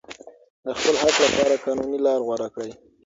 د خپل حق لپاره قانوني لاره غوره کړئ.